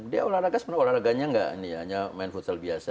dia sebenarnya olahraganya nggak hanya main futsal biasa